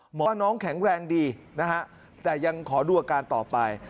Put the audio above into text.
หมอว่าน้องขาดแข็งแรงดีแต่ยังขอดูอาการต่อไป